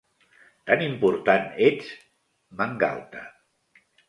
Tan important, ets? —m'engalta.